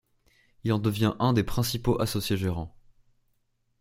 Il en devient un des principaux associés-gérants.